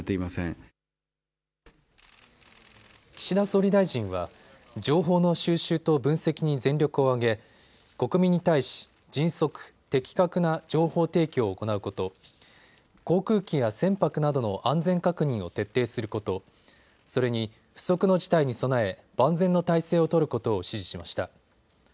岸田総理大臣は情報の収集と分析に全力を挙げ国民に対し迅速、的確な情報提供を行うこと、航空機や船舶などの安全確認を徹底すること、それに不測の事態に備え万全の態勢を取ることを指示しました。